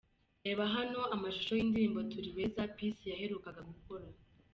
Reba hano amashusho y'indirimbo 'Turi beza' Peace yaherukaga gukora.